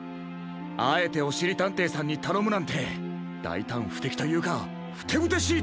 あえておしりたんていさんにたのむなんてだいたんふてきというかふてぶてしいというか。